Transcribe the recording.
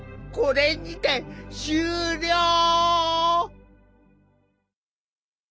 これにて終了！